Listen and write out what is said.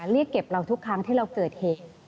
เรียกเก็บเราทุกครั้งที่เราเกิดเหตุ